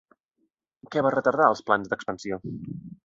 Què va retardar els plans d'expansió?